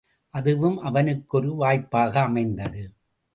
அதுவும் அவனுக்கு ஒரு வாய்ப்பாக அமைந்தது.